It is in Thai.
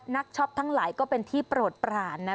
ช็อปทั้งหลายก็เป็นที่โปรดปรานนะ